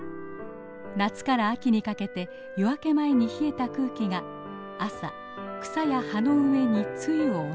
夏から秋にかけて夜明け前に冷えた空気が朝草や葉の上に露を落とします。